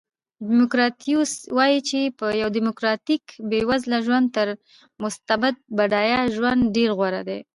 دیموکریتوس وایي چې یو دیموکراتیک بېوزله ژوند تر مستبد بډایه ژوند ډېر غوره دی.